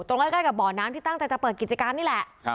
ใกล้กับบ่อน้ำที่ตั้งใจจะเปิดกิจการนี่แหละ